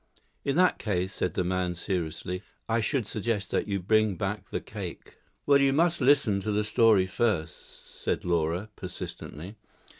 "In that case," said the man seriously, "I should suggest that you bring back the cake." "Well, you must listen to the story first," said Laura, persistently.